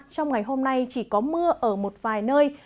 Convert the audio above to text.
trong ngày hôm nay chỉ có mưa ở một vài nơi